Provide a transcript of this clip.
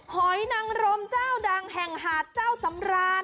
หอยนังรมเจ้าดังแห่งหาดเจ้าสำราน